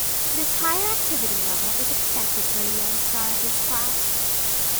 This higher activity level is expected for a young star of this class.